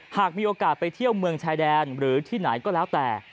หากมีโอกาสไปเที่ยวเมืองชายแดนหรือที่ไหนก็แล้วแต่